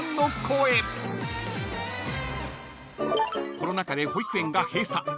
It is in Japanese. ［コロナ禍で保育園が閉鎖］